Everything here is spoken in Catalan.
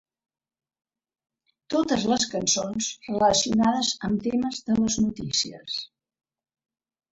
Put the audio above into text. Totes les cançons relacionades amb temes de les notícies.